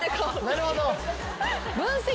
なるほど。